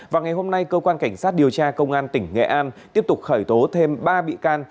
vào ngày hôm nay cơ quan cảnh sát điều tra công an tỉnh nghệ an tiếp tục khởi tố thêm ba bị can